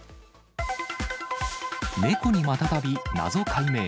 猫にまたたび謎解明。